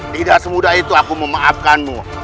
tidak semudah itu aku memaafkanmu